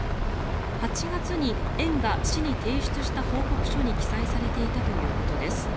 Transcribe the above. ８月に園が市に提出した報告書に記載されていたということです。